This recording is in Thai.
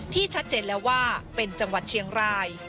ชัดเจนแล้วว่าเป็นจังหวัดเชียงราย